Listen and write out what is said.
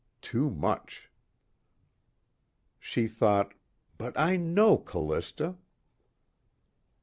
Too much. She thought: But I know Callista!